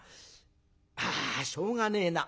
あしょうがねえな。